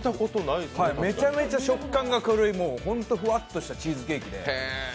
めちゃめちゃ食感が軽い、本当にふわっとしたチーズケーキで。